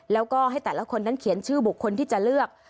แล้วก็ให้แต่ละคนนั้นเขียนชื่อบุคคลที่จะเลือก